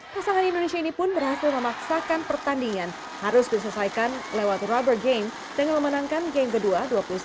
pasangan indonesia ini pun berhasil memaksakan pertandingan harus diselesaikan lewat rubber game dengan memenangkan game kedua dua puluh satu